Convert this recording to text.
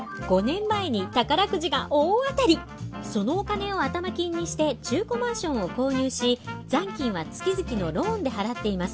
そのお金を頭金にして中古マンションを購入し残金は月々のローンで払っています。